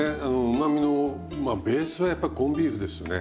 うまみのベースはやっぱりコンビーフですね。